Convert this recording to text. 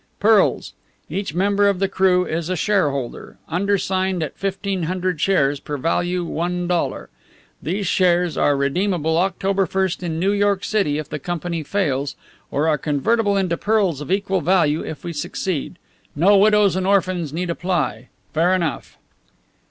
Pearls! Each member of the crew is a shareholder, undersigned at fifteen hundred shares, par value one dollar. These shares are redeemable October first in New York City if the company fails, or are convertible into pearls of equal value if we succeed. No widows and orphans need apply. Fair enough."